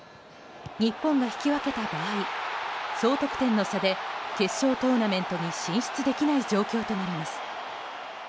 日本が引き分けた場合総得点の差で決勝トーナメントに進出できない状況となります。